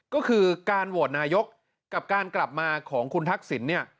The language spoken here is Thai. ก็คือการโหวตนายกกับการกลับมาของคุณทักษิณเนี่ย